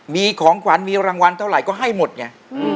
มีของขวัญมีรางวัลเท่าไหร่ก็ให้หมดไง